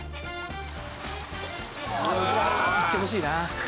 うわ。いってほしいな。